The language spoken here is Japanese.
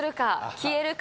消えるか？